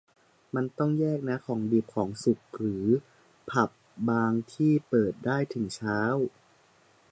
มันต้องแยกนะ ของดิบ ของสุก หรือผับบางที่เปิดได้ถึงเช้า